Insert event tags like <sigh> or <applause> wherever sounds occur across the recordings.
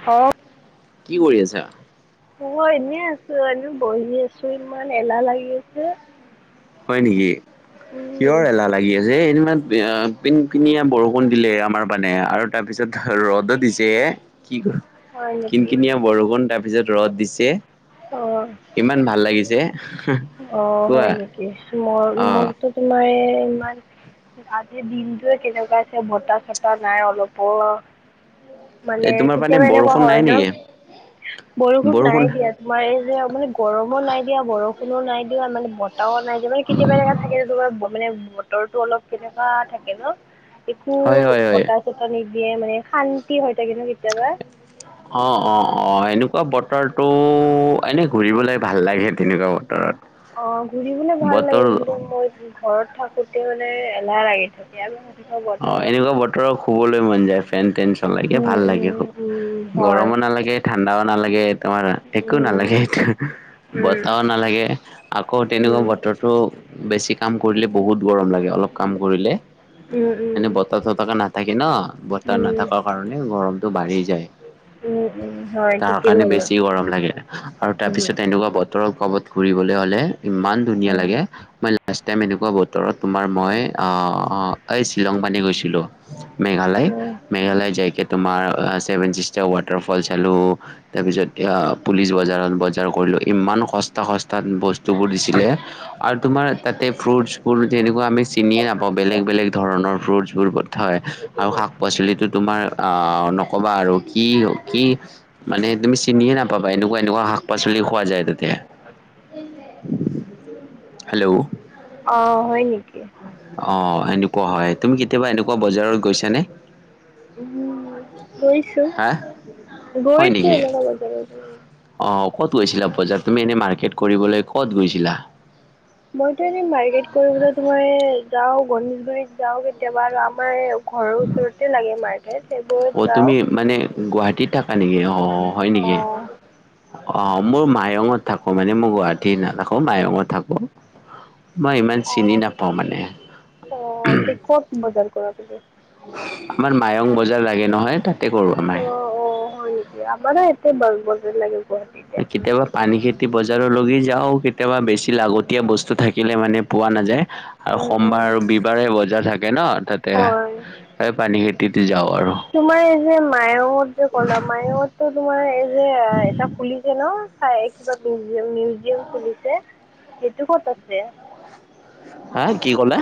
অ', কি কৰি আছা? ও মই এনেই আছো এনেও বহি আছো ইমান এলাহ লাগি আছে। হয় নেকি? <unintelligible> কিহৰ এলাহ লাগি আছে, সেই দিনা পিন্ধ পিনিয়া বৰষুণ দিলে আমাৰ পানে আৰু তাৰপিছত ৰ'দত দিছে কি কৰ হয় কিন নেকি? কিনিয়া বৰষুণ তাৰপিছত ৰদ দিছে। অ'। ইমান ভাল লাগিছে। অ', কোৱা হয় নেকি? মোৰ অ মোৰতো তোমাৰ ইমান আজিৰ দিনটোয়ে কেনেকুৱা আছে বতা চতা নাই অলপো। মানে এই তোমাৰ মানে কেতিয়াবা এনেকুৱা বৰষুণ নাই হয় ন? নেকি? বৰষুণ নাই দিয়াত তোমাৰ এই যে মানে গৰমো নাই দিয়া বৰষুণ নো নাই দিয়া মানে ও নাই যে মানে কেতিয়াবা এনেকা থাকে যে তোমাৰ মানে বতৰো অলপ কেনেকুৱা থাকে ন? একো হয় হয় হয়। বতাহ চতাহ নিদিয়ে মানে শান্তি হৈ থাকে ন কেতিয়াবা? অ', অ', অ', এনেকুৱা বতৰটো এনেই ঘূৰিবলৈ ভাল লাগে তেনেকুৱা বতৰত। অ', ঘুৰিবলৈ ভাল লাগে বতৰ কিন্তু মই ঘৰত থাকোতে মানে এলাহ লাগি থাকে। <unintelligible> অ', এনেকুৱা বতৰত শুবলৈ মন যায় ফেন টেন চলাই <unintelligible> উম ভাল লাগে খুব। উম উম হয় গৰমো নালাগে ঠাণ্ডাও নালাগে তোমাৰ একো উম নালাগে এইটো, উম বতাহও নালাগে আকৌ উম তেনেকুৱা উম বতৰত ত' বেছি কাম কৰিলে বহুত গৰম লাগে অলপ কাম কৰিলে। মানে উম বতাহ চতা নাথাকে ন, বতাহ উম নাথকা কাৰণে গৰমতটো বাঢ়ি যায়। উম উম হয় তাৰ ঠিকেই কাৰণে ক'লা বেছি গৰম লাগে আৰু তাৰ পিছত এনেকুৱা বত <unintelligible> কবাত ঘুৰিবলৈ হলে ইমান ধুনীয়া লাগে, ম টাইম এনেকুৱা বতৰত তোমাৰ মই আহ এই শ্বিলং পানী গৈছিলোঁ। মেঘালয়, মেঘালয় যাইকে তোমাৰ আহ ছেভেন চিষ্টাৰ ৱাটাৰফল চালোঁ তাৰ পিছত আহ পুলিচ বজাৰত বজাৰ কৰিলোঁ, ইমান সস্তা-সস্তাত বস্তুবোৰ দিছিলে। আৰু তোমাৰ তাতে ফ্ৰুট বোৰ এনেকুৱা আমি চিনিয়ে নাপাওঁ বেলেগ-বেলেগ ধৰণৰ ফ্ৰুটছবোৰ পঠ হয় আৰু শাক পাচলিতটো তোমাৰ আহ নক'বা আৰু। কি-কি মানে তুমি চিনিয়ে নাপাবা এনেকুৱা-এনেকুৱা শাক পাচলি খোৱা যায় তাতে। হেল্ল'? অ', হয় নেকি? অ', এনেকুৱা হয়। তুমি কেতিয়াবা এনেকুৱা বজাৰত গৈছানে? উম গৈছোঁ। হা হয় নেকি গৈছোঁ এনেকুৱা বজাৰত। অ', ক'ত গৈছিলা বজাৰ, তুমি এনে মাৰ্কেট কৰিবলৈ কত গৈছিলা? মইতো এনে মাৰ্কেট কৰিবলৈ তোমাৰ যাও গণেশগুৰিত যাও কেতিয়াবা আৰু আমাৰ ঘৰৰ ওচৰতে লাগে মাৰ ঠাইত সেইবোৰ অ', তুমি মানে গুৱাহাটীত থাকা নেকি? অ'। অ', হয় নেকি? অঁ অ', মোৰ মায়ঙত অ', মনে মই গুৱাহাটি নাথাকোঁ মায়ঙত থাকোঁ। মই ইমান চিনি অঁ নাপাওঁ মানে। অঁ তে ক'ত বজাৰ কৰাটো যে। আমাৰ মায়ং বজাৰ লাগে নহয় তাক অ', অ', হয় নেকি? আমাৰে ইয়াতে দচ বছৰ লাগিল। কেতিয়াবা পানী খেতি বজাৰলগি যাও কেতিয়াবা বেছি লাগতিয়া বস্তু থাকিলে মানে পোৱা নাযায়। আৰু উম উম সোমবাৰ আৰু ৰবিবাৰে বজাৰ থাকে ন তাতে, হয় এ পানী খেতিত যাওঁ আৰু। তোমাৰ এ যে মায়ংট যে কলা মায়ঙত টো তোমাৰ এই যে এটা খুলিছে ন? চাই কিবা মউজিয়াম-মিউজিয়াম খুলিছে, সেইটো ক'ত আছে? হা, কি কলা?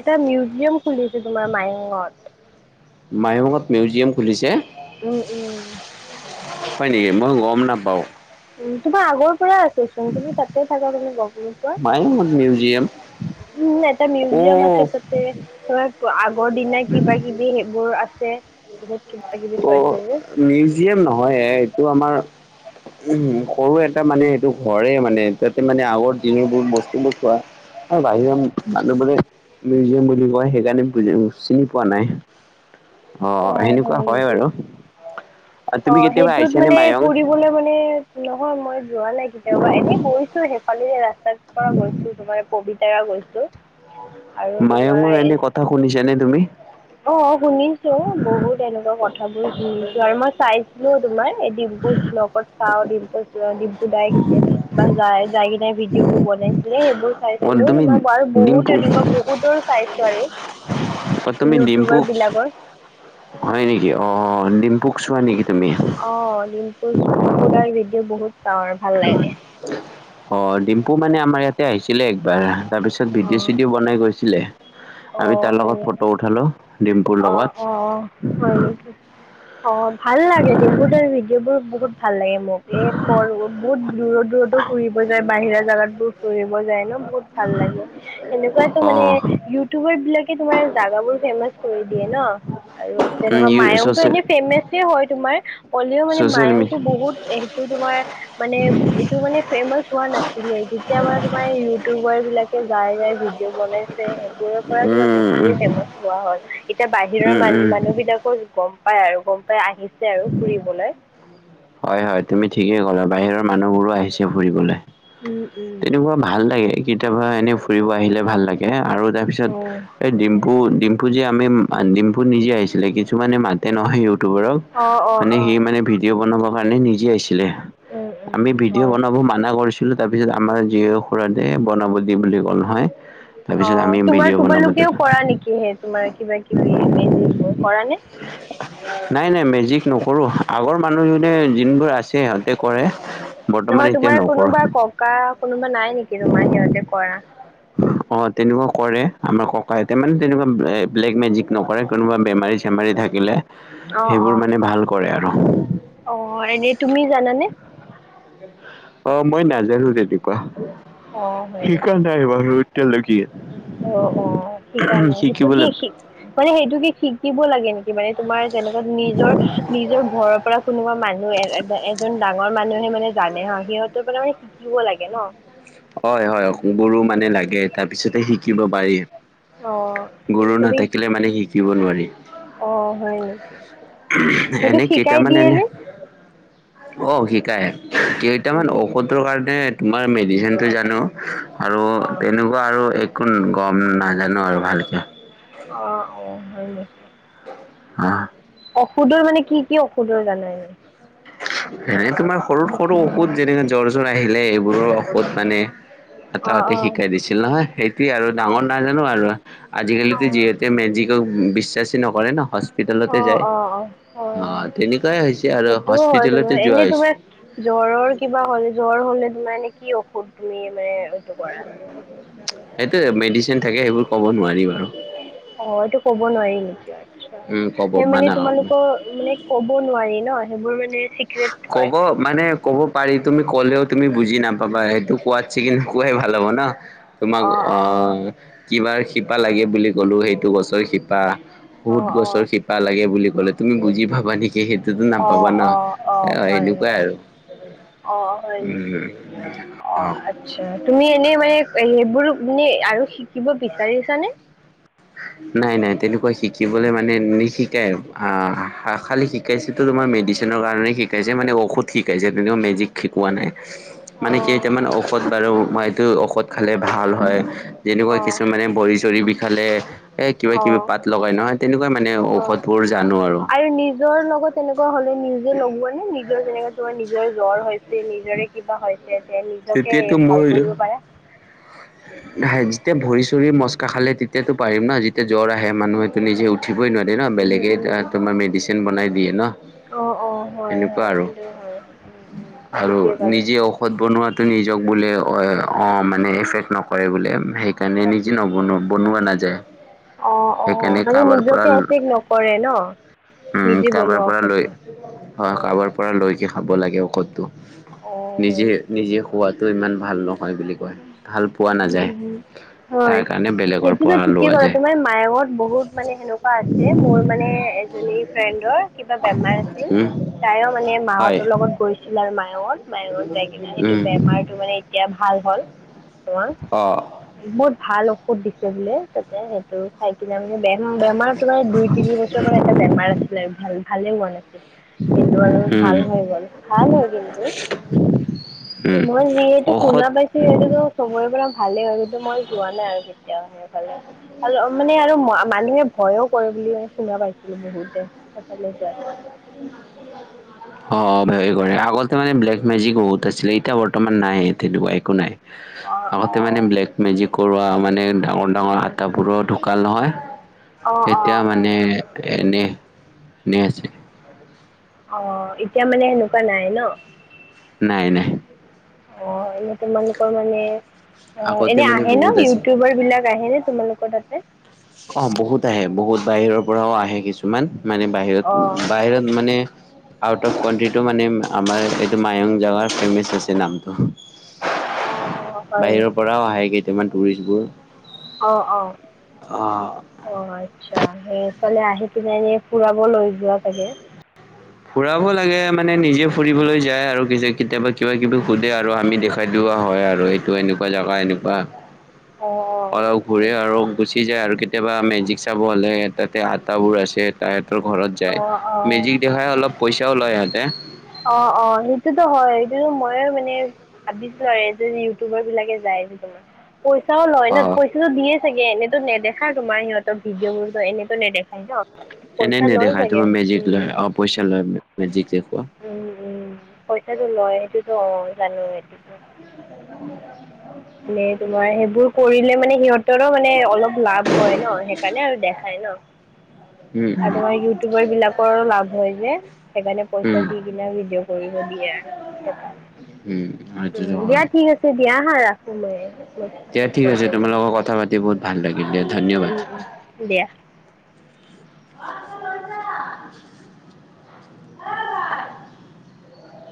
এটা মিউজিয়াম খুলিছে তোমাৰ মায়ংট। মায়ংট মিউজিয়াম খুলিছে। উম, উম। হয় নেকি মই গম নাপাওঁ। উম, তোমাৰ আগৰ পৰা আছে চোন তুমি তাতে থাকা তুমি গম <unintelligible> মায়ঙত মিউজিয়াম উম, এটা অ মিউজিয়াম আছে তাতে। ত আগৰ দিনা কিবা কিবি সেইবোৰ আছে বহুত কিবা কিবি অ থৈছে যে। মিউজিয়াম নহয় এ এইটো আমাৰ উম সৰু এটা মানে এইটো ঘৰে মানে তাতে মানে আগৰ দিনবোৰ বস্তুবোৰ থোৱা। অ', বাহিৰৰ মানুহ বোৰে মিউজিয়াম বুলি কয় সেইকাৰণে বুজি চিনি পোৱা নাই। অ, অ' সেনেকুৱা হয় হয় নেকি বাৰু আৰু অ, তুমি কেতিয়াবা সেইটোত আহিছানে মানে মায়ং ফুৰিবলে মানে নহয় মই যোৱা নাই কেতিয়াবা এনেই গৈছো সেইফালিৰে ৰা <unintelligible> পাৰা গৈছো তোমাৰ পবিতৰা গৈছোঁ। মায়ংৰ এনে কথা শুনিছা নে তুমি? অ, শুনিছো বহুত এনেকুৱা কথাবোৰ শুনিছো আৰু মই চাইছিলো তোমাৰ এই ডিম্পু ব্লকত চাও ডিম্পু ব্লক ডিম্পু দাই কেতিয়া বা যাই যাই কিনে ভিডিঅ' বোৰ বনাইছিলে সেইবোৰ অ চাইছিলো তুমি মই বাৰু বহুত ডিম্পু তেনেকুৱা বহুতৰে চাইছো আৰু। অ, তুমি ডিম্পুক ইউটিউবাৰবিলাকৰ হয় নেকি অ' ডিম্পুক চোৱা নেকি তুমি? অ' ডিম্পুচ ডিম্পু দাৰ ভিডিঅ' বহুত চাওঁ আৰু ভাল লাগে। অ' ডিম্পু মানে আমাৰ ইয়াতে আহিছিলে একবাৰ তাৰপিছত ভিডিঅ' অ' চিডিও বনাই গৈছিলে। আমি তাৰ অ' লগত সেনেকে ফটো উঠালো ডিম্পুৰ অ' অ' হয় লগত। নেকি অ', ভাল লাগে ডিম্পু দাৰ ভিডিঅ' বোৰ বহুত ভাল লাগে মোক এ কৰ বহুত দূৰত দূৰতো ফুৰিব যায় বাহিৰা জাগাত বোৰ ফুৰিব যায় ন বহুত ভাল লাগে। সেনেকুৱাটো অ মানে ইউটিউবাৰ বিলাকে তোমাৰ জাগাবোৰ ফেমাচ কৰি দিয়ে ন। আৰু যেনেকুৱা চচিয়েল মায়ংটো এনেই ফেমাচে হয় তোমাৰ হলেও মানে চচিয়েল মি মায়ংটো বহুত সেইটো তোমাৰ মানে এইটো মানে ফেমাচ হোৱা নাছিলে যেতিয়া মানে তোমাৰ ইউটিউবাৰ বিলাক কে যাই-যাই ভিডিঅ' বনাই ছে সেইবোৰৰ পৰা তোমাৰ উম বেছিকে উম ফেমাচ হোৱা হল এতিয়া বাহিৰৰ উম উম মানুহ বিলাক গম পাই আৰু গম পাই আহিছে আৰু ফুৰিবলৈ। হয়-হয় তুমি ঠিকেই ক'লা বাহিৰৰ মানুহবোৰো আহিছে ফুৰিবলৈ। উম উম তেনেকুৱা ভাল লাগে কেতিয়াবা এনেই ফুৰিব আহিলে ভাল লাগে আৰু তাৰ পিছত উম এই ডিম্পু ডিম পু যে আমি ডিম্পু নিজে আহিছিলে কিছুমানে মাতে ন মেই ইউটিউবাৰক। অ অ মানে অ সি মানে ভিডিঅ' বনাবৰ কাৰণে নিজে আহিছিলে। উম উম আমি ভিডিঅ' হয় বনাব মানা কৰিছো ছিলো তাৰ পিছত আমাৰ জীয় খুড়াটোৱে বনাব দি বুলি ক'ল নহয়। তাৰপিছত আমি অ' তোমাৰ ভিডিঅ' বনাব তোমালোকেও দিলোঁ কৰা নেকি সেই তোমাৰ কিবা কিবি মেজিক বোৰ কৰা নে? নাই-নাই মেজিক নকৰো আগৰ মানুহ যোনে যোনবোৰ আছে সিহঁতে কৰে বৰ্তমান এতিয়া নকৰোঁ। কা কোনোবা নাই নেকি তোমাৰ সিহঁতে কৰা? <unintelligible> অ, তেনেকুৱা কৰে আমাৰ ককা আইতা মানে তেনেকুৱা ব্লেক মেজিক নকৰে কোনোবা বেমাৰী চেমাৰী থাকিলে। অ অ সেইবোৰ মানে ভাল কৰে আৰু। অ, এনে তুমি জানানে? <unintelligible> অ' মই নাজানো তেনেকুৱা অ হয় শিকা নেকি নাই বাৰু এতিয়ালকি। অ', অ' শিকা নাই সেইটো কি শিকিবলৈ শিক মানে সেইটো কি শিকিব লাগে নেকি মানে তোমাৰ যেনেকুৱা নিজৰ নিজৰ ঘৰৰ পৰা কোনোবা মানুহ এ এজন ডাঙৰ মানুহে মানে জানে হা সিহঁতৰ পৰা মানে শিকিব লাগে ন'। হয় -হয় গুৰু মানে লাগে তাৰ পিছতে শিকিব পাৰি। অ', গুৰু তুমি নাথাকিলে মানে শিকিব নোৱাৰি। অ', হয় নেকি সেইটো এনে শিকাই কেইটামান দিয়ে এনে। নে অ, শিকাই কেইটামান উম, ঔষধৰ কাৰণে তোমাৰ মেডিচিন টো জানো। আৰু অ', তেনেকুৱা আৰু একো গম নাজানো আৰু ভালকে। অ', অ', হয় নেক আ ঔষোধৰ মানে কি- কি ঔষোধৰ জানা এনে? <unintelligible> হেৰি তোমাৰ সৰু -সৰু ঔষোধ যেনেকে জ্বৰ চৰ আহিলে এইবোৰৰ ঔষোধ মানে। এ অ', তাহতে অ', শিকাই দিছিল নহয় সেইটোয়ে আৰু ডাঙৰ অ', নাই। নাজানো আৰু আজিকালিতো অ', যিহেতু মেজিকক বিশ্বাচে নকৰে ন' হচ হস্পিতলতে অ', যায় অ', অ', হয় অ, হয় তেনেকুৱাই হৈছে আৰু সেইটোও হয় হস্পিতেলতে তোমাৰ যোৱা এনে হৈছে। তোমাৰ জ্বৰৰ কিবা হ'ল জ্বৰ হলে তোমাৰ এনে কি ঔষধ তুমি মানে এইটো কৰা? সেইটোয়ে মেডিচিন থাকে সেইবোৰ ক'ব নোৱাৰি বাৰু। অ, এইটো ক'ব নোৱাৰি নেকি আচ্ছা উম ক'ব সেই মানে মানা তোমালোকৰ মানে ক'ব নোৱাৰি ন, সেইবোৰ মানে ঠিক ক'ব মানে ক'ব পাৰি তুমি ক'লেও তুমি বুজি নাপাবা সেইটো কোৱাত ছেগেন কোৱাই ভাল হ'ব না। তোমাক অ আ অ কিবাৰ শিপা লাগে বুলি ক'লোঁ সেইটো গছৰ শিপা। অ বহুত গছৰ অ শিপা লাগে বুলি ক'লে তুমি বুজি পাবা নেকি সেইটোতো অ নাপাবা না। এ অ, হয় এনেকুৱাই হয় আৰু অ হয় নেকি উম অ অহ। আচ্ছা তুমি এনেই মানে সেইবোৰ মানে আৰু শিক <unintelligible> নাই -নাই তেনেকুৱা শিকিবলৈ মানে নিশিকাই আহ খালি শিকাইছিল টো তোমাৰ মেডিচিনৰ কাৰণে শিকাইছে মানে ঔষধ শিকাইছে তেনেকুৱা মেজিক শিকোৱা নাই অ মানে কেইটামান ঔষধ বাৰু মই এইটো ঔষধ খালে ভাল হয়। অ যেনেকৈ কিছুমানে বৰি চৰি বিষালে এই কিবা- অ কিবি পাত লগাই নহয় তেনেকুৱা মানে অ ঔষধবোৰ জানো আৰু। নিজৰ লগত তেনেকুৱা হলে নিজে লগোৱা নে নিজৰ যেনেকা তোমাৰ নিজৰ জ্বৰ হৈছে নিজৰে কিবা হৈ ছে তে নিজকে তেতিয়াতো ভাল কৰিব পাৰা। ধাই যেতিয়া ভৰি চৰি মচকা খালে তেতিয়াতো পাৰিম না যেতিয়া জ্বৰ আহে মানুহেটো নিজে উঠিবই নোৱাৰি। যে ন'বেলেগেই তোমাৰ মেডিচিন বনাই দিয়ে ন'। অঁ অঁ হয় সেনেকুৱা হয় আৰু সেইটো হয় উম উম -আৰু ঠিকেই ক'লা নিজে ঔষ ঔষধ বনোৱাটো নিজক বোলে অ, মানে এফেক্ট নকৰে বোলে‌ সেই সেইকাৰণে নিজে নবনোৱা বনোৱা নাযায়। অ', অ', সেইকাৰণে মানে কাৰোবাৰ পৰা নিজকে এফেক নকৰে ন উম নিজে কাৰোবাৰ বনোৱা পৰা লৈ ঔষধটো। হয় কাৰোবাৰ অঁ পৰা লৈকে খাব লাগে ঔষধটো। অঁ হয় নিজে- নেকি নিজে খোৱাটো ইমান ভাল নহয় বুলি কয় ভাল পোৱা উম নাযায়। উম হয় তাৰ কাৰণে বেলেগৰ সেইটোতো পৰা ঠিকে লোৱা ক'লা যায় তোমাৰ মায়ঙত বহুত মানে সেনেকুৱা আছে মোৰ মানে এক ভনী ফ্ৰেণ্ডৰ কিবা বেমাৰ আছিল উম তাইও মানে হয় মাহঁতৰ লগত গৈছিল আৰু মায়ঙত মায়ঙত যাই কিনা সেইটো উম বেমাৰটো মানে এতিয়া ভাল হল অমান অ বহুত ভাল ঔষধ দিছে বোলে তাতে সেইটো খাই কিনে মানে বেমাৰ -বেমাৰ তোমাৰ দুই, তিনি বছৰৰ পৰা এটা বেমাৰ আছিলে ভাল ভালে হোৱা নাছিল। এইটো আৰু উম ভাল হৈ গ'ল ভাল হয় কিন্তু। উম মই এনেটো ঔষধ শুনা পাইছোঁ সি সেইটোতো চবৰে পৰা ভালেই হয় <unintelligible> মই যোৱা নাই আৰু কেতিয়াও সেইফালে। ভাল মানে আৰু মানুহে ভয়ো কৰে বুলি শুনা পাইছিলো বহুতে সেফালে যোৱাত <unintelligible> অ অ ভয় কৰে আগতে মান ব্লেক মেজিক বহুত আছিলে এতিয়া বৰ্তমান নাই তেনেকুৱা একো নাই অঁ আগতে মানে অঁ ব্লেক মেজিক কৰুৱা মানে ডাঙৰ ডাঙৰ আটাবোৰৰ ঢুকাল নহয়। অঁ অঁ তেতিয়া হয় মানে এনে নেজ অ এতিয়া মানে সেনেকুৱা নাই ন নাই নাই অ এনে তোমালোকৰ মানে অ আগতে এনেই মানে আহে ন বহুত আছে ইউটিউবাৰ বিলাক আহে নে তোমালোক কৰ তাতে অ বহুত আহে বহুত বাহিৰৰ পৰাও আহে কিছুমান মানে বাহিৰত অঁ বাহিৰত মানে আউট অফ কনটিটো মান আমাৰ এইটো মায়ং জেগাৰ ফেমাচ আছে নামটো অঁ হয় বাহিৰৰ নেকি পৰাও আহে কেইটামান টুৰিষ্টবোৰ অ অ অ অ আচ্ছা সেইফালে আহি পিনে এনে ফুৰাব লৈ যোৱা চাগে ফুৰাব লাগে মানে নিজে ফুৰিবলৈ যায় আৰু কেতিয়াবা কিবা কিবি সুধে আৰু আমি দেখ খুৱাই দোয়া হয় আৰু এইটো এনেকুৱা জোগা এনেকুৱা অলপ ঘূৰে অঁ আৰু গু চি যায় আৰু কেতিয়াবা মেজিক চাব হ'লে তাতে আটাবোৰ আছে তাই হেতৰ ঘৰত যায় অঁ অঁ অঁ মেজিক দেখাই অলপ পইচাও লয় সিহঁতে অ অ সেইটোতো হয় সেইটোতো মই মানে ভাবিছিলো এইয়ে ইউটিউবাৰ বিলাকে যাই যে তোমাৰ পইচাও লয় অ পই দিয়ে চাগে এনেই টো নেদেখাই তোমাৰ সিহঁতৰ ভিডিঅ বোৰো এনেত নেদেখায় ন এনেই পইচা লয় নেদেখা চাগে তোমাৰ মেজিক লয় উম অ পইচা লয় মেজিক দেখুৱা উম উম পইচাটো লয় সেইটোত অ জানো সেইটোত মানে তোমাৰ সেইবোৰ কৰিলে মানে সিহঁত সিহঁতৰো মানে অলপ লাভ হয় ন সেইকাৰণে আৰু দেখাই ন উম আৰু তোমাৰ ইউটিউবাৰ বিলাকৰ লাভ হয় যে সেইকাৰণে উম পইচা উম দি কিনে ভিডিঅ' কৰিব দিয়ে আৰু সেইকাৰণে উম উম সেইটোতো দিয়া হয় ঠিক আছে দিয়া হা ৰাখো মই দিয়া পাছত ঠিক কল আছে কৰি তোমাৰ আছো লগত কথা পাতি বহুত ভাল লাগি গিলে ধন্য উম উম দিয়া <unintelligible>